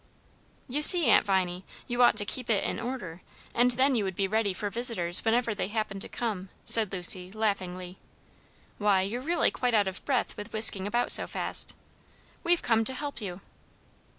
"You see, Aunt Viney, you ought to keep it in order, and then you would be ready for visitors whenever they happened to come," said Lucy laughingly. "Why, you're really quite out of breath with whisking about so fast. We've come to help you."